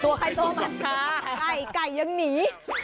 ตัวไข่ตัวมันค่ะไก่ยังหนี